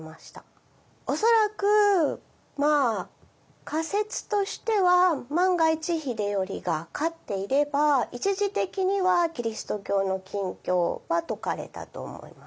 恐らく仮説としては万が一秀頼が勝っていれば一時的にはキリスト教の禁教は解かれたと思います。